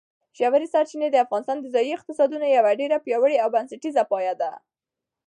ژورې سرچینې د افغانستان د ځایي اقتصادونو یو ډېر پیاوړی او بنسټیز پایایه دی.